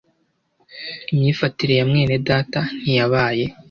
Imyifatire ya Mwenedata ntiyabaye